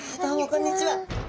こんにちは。